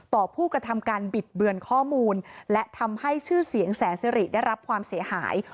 ผู้กระทำการบิดเบือนข้อมูลและทำให้ชื่อเสียงแสนสิริได้รับความเสียหาย